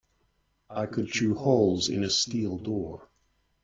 I could chew holes in a steel door.